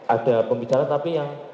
ada pembicaraan tapi yang